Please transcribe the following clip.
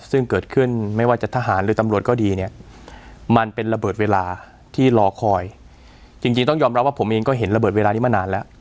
ซึ่งเกิดขึ้นไม่ว่าจะทหารหรือตำรวจก็ดีเนี่ยมันเป็นระเบิดเวลาที่รอคอยจริงต้องยอมรับว่าผมเองก็เห็นระเบิดเวลานี้มานานแล้ว